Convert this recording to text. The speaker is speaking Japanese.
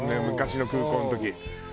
昔の空港の時。